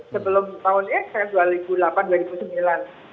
sebelum tahun ekses dua ribu delapan dua ribu sembilan